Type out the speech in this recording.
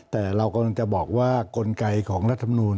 แต่เรากำลังจะบอกว่ากลไกของรัฐมนูล